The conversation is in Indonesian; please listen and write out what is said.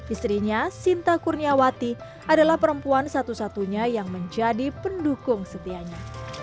istrinya sinta kurniawati adalah perempuan satu satunya yang menjadi pendukung setianya